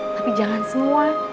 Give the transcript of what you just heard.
tapi jangan semua